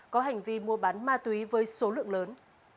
có hành vi mua bán ma túy với số lượng lớn